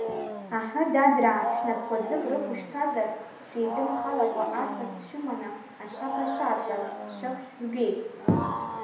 Аҳы, дадраа, шәнапқуа ӡык рықушәҭәазар, шәеидымхалакуа, асас дшәыманы, ашьаԥа шәааҵал, шәыххь згеит.